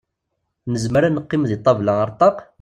Nezmzer ad neqqim deg ṭabla ar ṭaq?